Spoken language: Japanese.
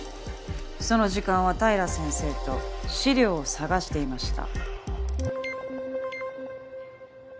その時間は平先生と資料を探していました。